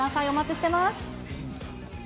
お待ちしています。